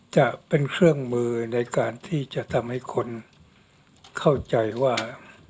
จะเป็นเครื่องมือในการที่จะทำให้คนเข้าใจว่า